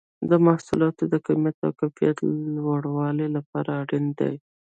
د محصولاتو د کمیت او کیفیت لوړولو لپاره اړین دي.